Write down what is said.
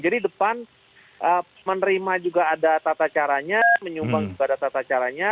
jadi depan menerima juga ada tata caranya menyumbang juga ada tata caranya